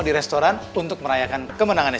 di restoran untuk merayakan kemenangannya